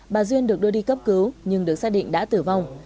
bà duyên được đưa đi cấp cứu nhưng được xác định đã tử vong